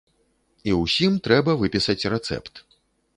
І ўсім трэба выпісаць рэцэпт.